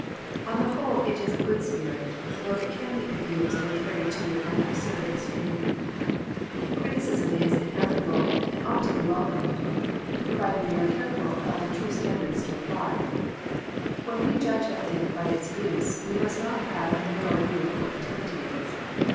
On the whole it is a good spirit, though it can be abused and carried to an absurd extreme. Criticism is inevita ble, and ought to be welcomed, provided 59 Digitized by VjOOQIC THE FRUITS OF FRIENDSHIP we are careful about the true standard to apply. When we judge a thing by its use, we must not have a narrow view of what utility is.